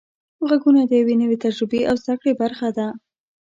غږونه د یوې نوې تجربې او زده کړې برخه ده.